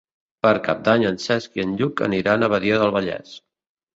Per Cap d'Any en Cesc i en Lluc aniran a Badia del Vallès.